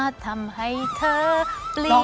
จำได้ใช่ป่ะล่ะเพลง